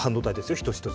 一つ一つ。